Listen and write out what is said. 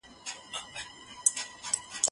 هغه وويل چي ليکلي پاڼي مهم دي